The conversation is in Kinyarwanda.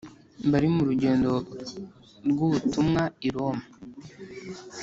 bari mu rugendo rw’ubutumwa i roma